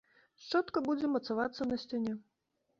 Шчотка будзе мацавацца на сцяне.